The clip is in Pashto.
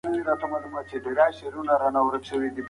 احمد ښونځی تا روان وو